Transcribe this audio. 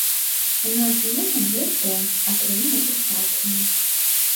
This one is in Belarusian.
У нас з мужам ёсць дом, атрыманы ў спадчыну.